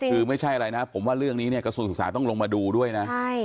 คือไม่ใช่อะไรนะผมว่าเรื่องนี้เนี่ยกระทรวงศึกษาต้องลงมาดูด้วยนะ